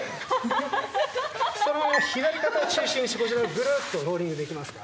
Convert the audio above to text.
そのまま左肩を中心にしてこちらにグルッとローリングできますか。